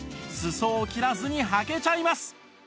裾を切らずにはけちゃいます